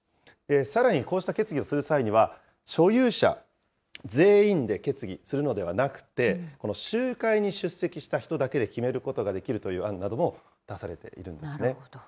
さらにこうした決議をする際には、所有者全員で決議するのではなくて、この集会に出席した人だけで決めることができるという案なども出されているんですね。